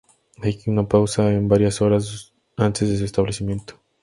Hay una pausa de varias horas antes de su establecimiento.